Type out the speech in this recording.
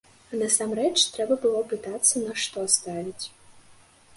А насамрэч, трэба было пытацца, на што ставіць.